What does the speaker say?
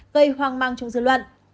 gây hoang mang trong dư luận